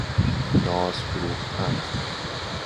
ناز فروختن